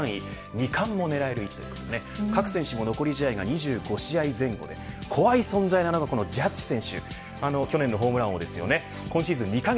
二冠も狙える位置ということで各選手も残り試合が２５試合前後で怖い存在なのがジャッジ選手去年のホームラン王です。